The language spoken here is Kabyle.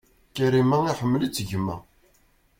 Karima iḥemmel-itt gma.